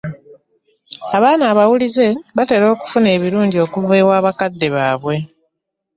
Abaana abawulize batera okufuna ebirungi okuva ewa bakadde baabwe.